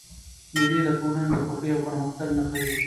مېلې د ټولني د خوښۍ او پرمختګ نخښه ده.